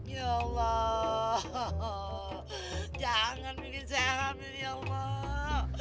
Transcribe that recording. ya allah jangan bikin saya hamil ya allah